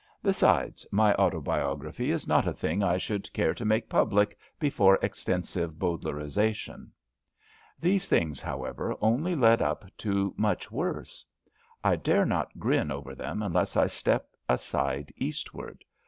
Besides, my autobiography is not a thing I should care to make public before extensive Bowdlerisation. These things, however, only led up to much worse. I dare not grin over them unless I step aside Eastward.